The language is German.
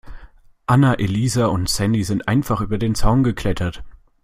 Anna-Elisa und Sandy sind einfach über den Zaun geklettert.